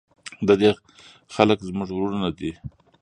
د دې خلک زموږ ورونه دي؟